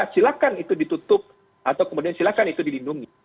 silahkan itu ditutup atau kemudian silakan itu dilindungi